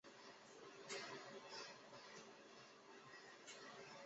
民族主义共产党是印度北方邦的一个左翼政党。